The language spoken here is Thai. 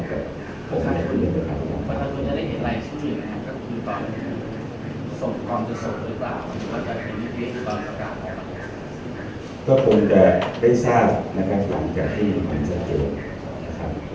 ที่เป็นรายชื่อที่ประธานสภาษณ์ส่งให้ศาสตร์และท่านโดรนมีสมาชิก